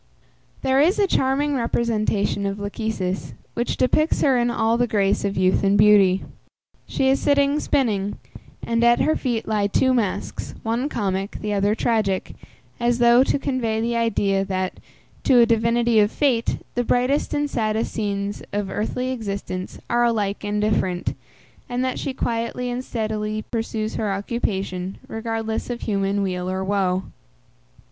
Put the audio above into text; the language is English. There is a charming representation of Lachesis, which depicts her in all the grace of youth and beauty. She is sitting spinning, and at her feet lie two masks, one comic, the other tragic, as though to convey the idea, that, to a divinity of fate, the brightest and saddest scenes of earthly existence are alike indifferent, and that she quietly and steadily pursues her occupation, regardless of human weal or woe.